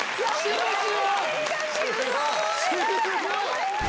すごい！